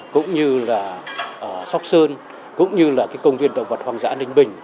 cũng như là ở sóc sơn cũng như là công viên động vật hoang dã ninh bình